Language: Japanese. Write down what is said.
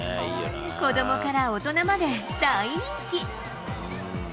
子どもから大人まで大人気。